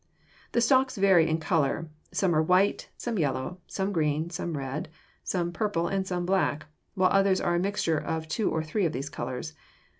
The stalks vary in color. Some are white, some yellow, some green, some red, some purple, and some black, while others are a mixture of two or three of these colors.